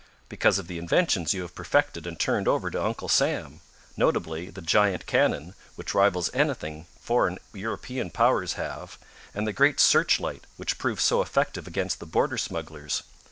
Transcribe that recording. "Because of the inventions you have perfected and turned over to Uncle Sam notably the giant cannon, which rivals anything foreign European powers have, and the great searchlight, which proved so effective against the border smugglers.